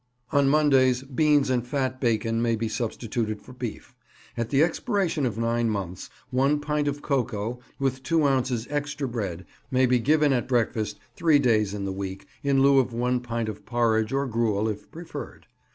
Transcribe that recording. On Mondays beans and fat bacon may be substituted for beef. At the expiration of nine months one pint of cocoa, with two ounces extra bread, may be given at breakfast three days in the week, in lieu of one pint of porridge, or gruel, if preferred.